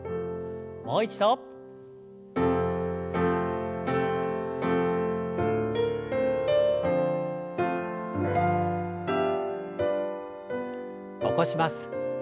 もう一度。起こします。